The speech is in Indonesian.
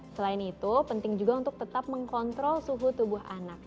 selain itu penting juga untuk tetap mengkontrol suhu tubuh anak